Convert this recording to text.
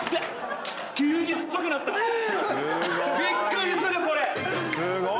すごい。びっくりするこれ！